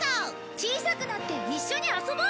小さくなって一緒に遊ぼう！